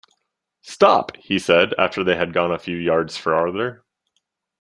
‘Stop!’ he said, after they had gone a few yards farther.